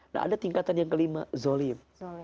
nah ada tingkatan yang kelima zolim